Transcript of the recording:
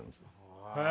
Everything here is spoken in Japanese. へえ。